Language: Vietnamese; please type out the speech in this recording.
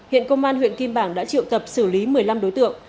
hiện công an huyện kim bảng đã triệu tập xử lý một mươi năm đối tượng